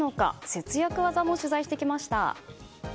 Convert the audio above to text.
節約技も取材してきました。